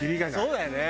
そうだよね。